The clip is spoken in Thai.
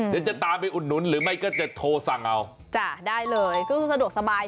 เดี๋ยวจะตามไปอุดหนุนหรือไม่ก็จะโทรสั่งเอาจ้ะได้เลยก็คือสะดวกสบาย